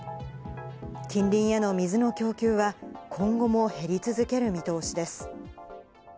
近隣への水の供給は、今後も減り続ける見通しです。